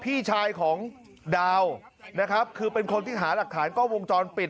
พี่ชายของดาวนะครับคือเป็นคนที่หาหลักฐานกล้องวงจรปิด